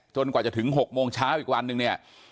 กว่าจะถึง๖โมงเช้าอีกวันนึงเนี่ย